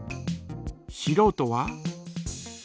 しろうとは？